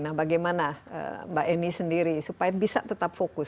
nah bagaimana mbak eni sendiri supaya bisa tetap fokus